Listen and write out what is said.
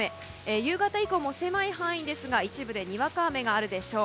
夕方以降も狭い範囲ですが一部でにわか雨があるでしょう。